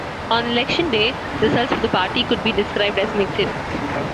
On election day, results for the party could be described as mixed.